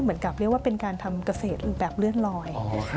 เหมือนกับเรียกว่าเป็นการทำเกษตรแบบเลื่อนลอย